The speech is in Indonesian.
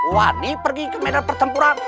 wadi pergi ke medan pertempuran